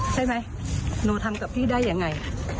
ใช่ไหมโนทำกับพี่ได้อย่างไร